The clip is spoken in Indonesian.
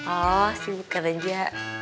oh sibuk kerja